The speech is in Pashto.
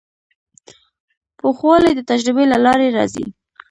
پوخوالی د تجربې له لارې راځي.